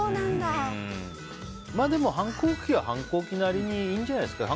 でも、反抗期は反抗期なりにいいんじゃないですか。